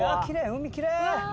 海きれい！